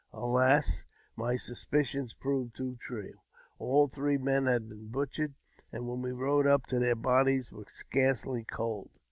Alas ! my suspicions proved too true ! All three men had been butchered, and when we rode up their bodies were scarcely cold.